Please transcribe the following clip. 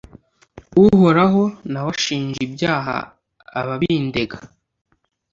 uhoraho, nawe shinja ibyaha ababindega